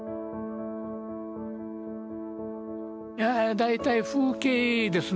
大体風景ですね。